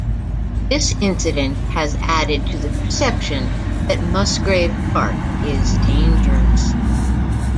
This incident has added to the perception that Musgrave Park is dangerous.